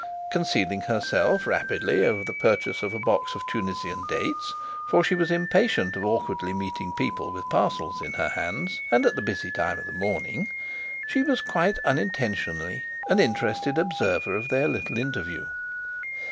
Concealing herself rapidly over the purchase of a box of Tunisian dates, for she was impatient of awkwardly meeting people with parcels in her hands, and at the busy time of the morning, she was quite unintentionally an interested observer of their little interview.